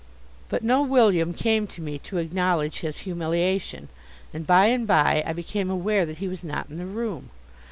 But no William came to me to acknowledge his humiliation, and by and by I became aware that he was not in the room.